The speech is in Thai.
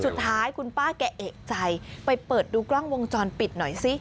สุดท้ายคุณป้าแกเอกใจไปเปิดดูกล้องวงจรปิดหน่อยสิ